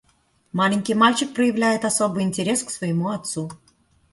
Маленький мальчик проявляет особый интерес к своему отцу.